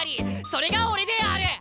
それが俺である！